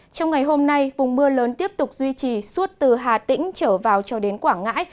trong ngày hôm nay vùng mưa lớn tiếp tục duy trì suốt từ hà tĩnh trở vào cho đến quảng ngãi